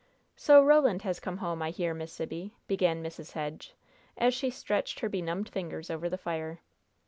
"So Roland has come home, I hear, Miss Sibby," began Mrs. Hedge, as she stretched her benumbed fingers over the fire.